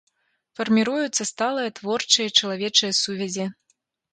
Фарміруюцца сталыя творчыя і чалавечыя сувязі.